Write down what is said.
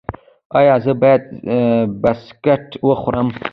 ایا زه باید بسکټ وخورم؟